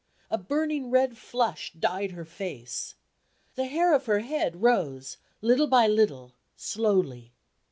A burning red flush dyed her face. The hair of her head rose, little by little, slowly.